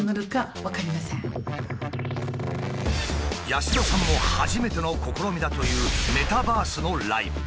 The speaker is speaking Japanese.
八代さんも初めての試みだというメタバースのライブ。